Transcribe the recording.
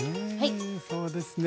そうですね。